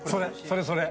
それそれ。